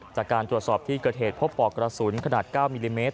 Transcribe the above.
จากการตรวจสอบที่เกิดเหตุพบปอกกระสุนขนาด๙มิลลิเมตร